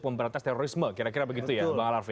memberantas terorisme kira kira begitu ya bang alaraf